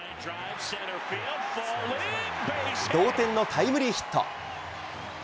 同点のタイムリーヒット。